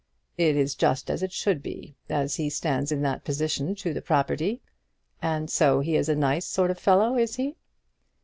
"It is just as it should be, as he stands in that position to the property. And so he is a nice sort of fellow, is he?"